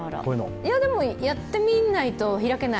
でも、やってみないと開けない。